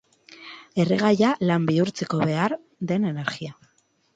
Erregaia lan bihurtzeko behar den energia.